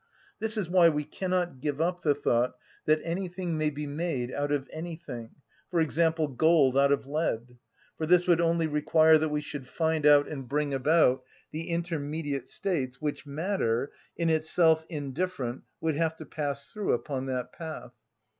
This is why we cannot give up the thought that anything may be made out of anything, for example, gold out of lead; for this would only require that we should find out and bring about the intermediate states which matter, in itself indifferent, would have to pass through upon that path.